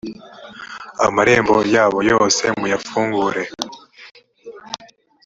amarembo yabo yose muyafungure.